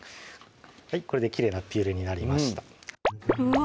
これできれいなピューレになりましたうわ